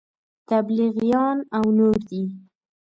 تبلیغیان او نور دي.